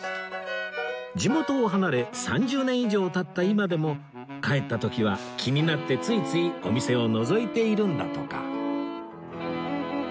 地元を離れ３０年以上経った今でも帰った時は気になってついついお店をのぞいているんだとか